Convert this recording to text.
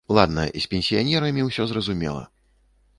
Ладна, з пенсіянерамі ўсё зразумела!